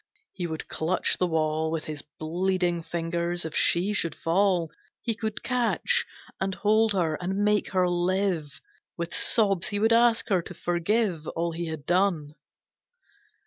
He would clutch the wall With his bleeding fingers, if she should fall He could catch, and hold her, and make her live! With sobs he would ask her to forgive All he had done.